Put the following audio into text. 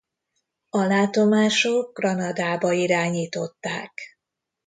A látomások Granadába irányították.